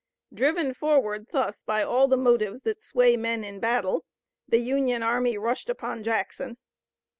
Driven forward thus by all the motives that sway men in battle, the Union army rushed upon Jackson.